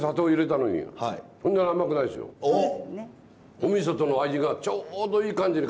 おみそとの味がちょうどいい感じにからまって。